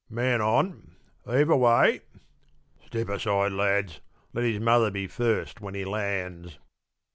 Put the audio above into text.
"Man on! heave away!" "Step aside, lads; let his mother be first when he lands."